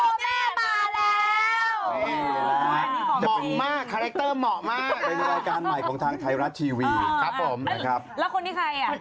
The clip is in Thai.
นี่แหละมองมากคาแรคเตอร์มองมากเป็นรายการใหม่ของทางไทยรัตทีวีครับผมแล้วคนที่ใครอ่ะ